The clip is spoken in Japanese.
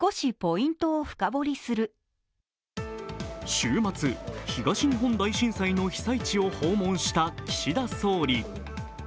週末、東日本大震災の被災地を訪問した岸田総理。